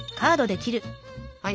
はい。